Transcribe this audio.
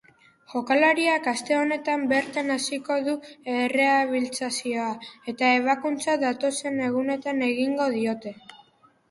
Jokalariak aste honetan bertan hasiko du errehabilitazioa eta ebakuntza datozen egunetan egingo diote.